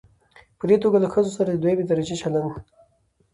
په دې توګه له ښځو سره د دويمې درجې چلن